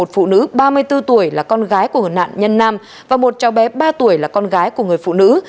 một phụ nữ ba mươi bốn tuổi là con gái của nạn nhân nam và một cháu bé ba tuổi là con gái của người phụ nữ